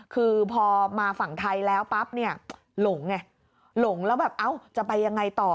คือพอมาฝั่งไทยแล้วปั๊บเนี่ยหลงไงหลงแล้วแบบเอ้าจะไปยังไงต่อ